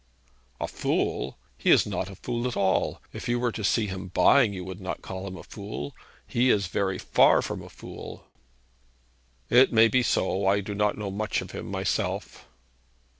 'A fool! He is not a fool at all. If you were to see him buying, you would not call him a fool. He is very far from a fool.' 'It may be so. I do not know much of him myself.'